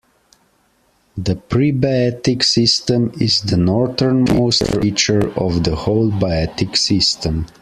The Prebaetic System is the northernmost feature of the whole Baetic System.